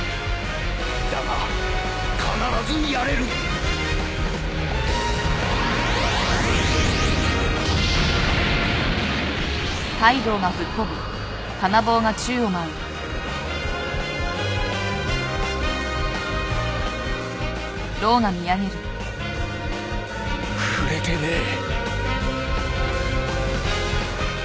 だが必ずやれる触れてねえ。